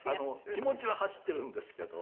気持ちは走っているんですけど。